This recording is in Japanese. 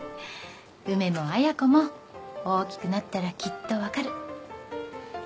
梅も綾子も大きくなったらきっとわかる。